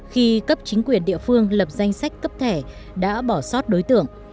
khi cấp chính quyền địa phương lập danh sách cấp thẻ đã bỏ sót đối tượng